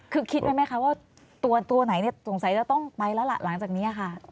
คือคิดไว้ไหมคะว่าตัวไหนสงสัยจะต้องไปแล้วล่ะหลังจากนี้ค่ะ